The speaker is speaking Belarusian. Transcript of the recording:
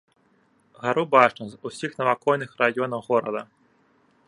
Гару бачна з усіх навакольных раёнаў горада.